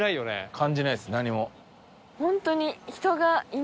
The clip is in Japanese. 感じないです何も。